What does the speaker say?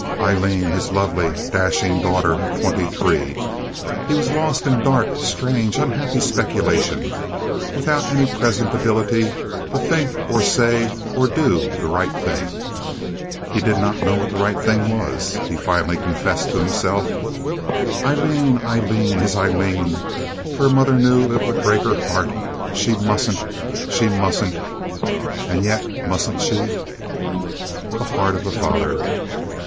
Aileen, his lovely, dashing daughter of twenty three! He was lost in dark, strange, unhappy speculations, without any present ability to think or say or do the right thing. He did not know what the right thing was, he finally confessed to himself. Aileen! Aileen! His Aileen! If her mother knew this it would break her heart. She mustn't! She mustn't! And yet mustn't she? The heart of a father!